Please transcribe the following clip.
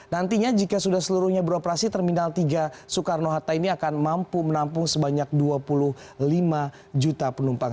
nantinya jika sudah seluruhnya beroperasi terminal tiga soekarno hatta ini akan mampu menampung sebanyak dua puluh lima juta penumpang